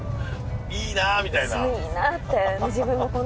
「いいなあ」みたいな？